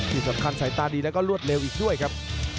ที่สำคัญสายตาดีแล้วก็รวดเร็วอีกด้วยครับ